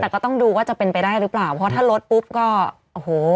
แต่ก็ต้องดูว่าจะเป็นไปได้หรือเปล่าเพราะถ้าลดปุ๊บก็โอ้โห